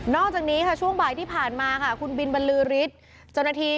อกจากนี้ค่ะช่วงบ่ายที่ผ่านมาค่ะคุณบินบรรลือฤทธิ์เจ้าหน้าที่